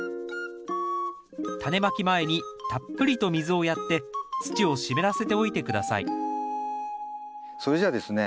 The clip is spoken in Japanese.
タネまき前にたっぷりと水をやって土を湿らせておいて下さいそれじゃあですね